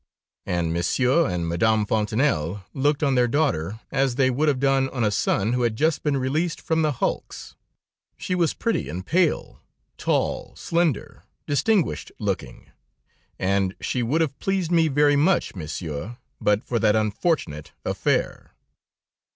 And Monsieur and Madame Fontanelle looked on their daughter as they would have done on a son who had just been released from the hulks. She was pretty and pale, tall, slender, distinguished looking, and she would have pleased me very much, Monsieur, but for that unfortunate affair.